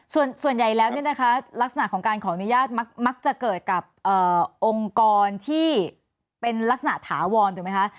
ส่วนใหญ่แล้วเนี่ยนะคะลักษณะของการขออนุญาตมักจะเกิดกับองค์กรที่เป็นลักษณะถาวรถูกไหมคะ